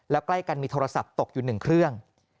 แล้วใกล้กันมีโทรศัพท์ตกอยู่๑เครื่อง